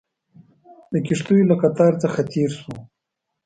د کښتیو له قطار څخه تېر شوو.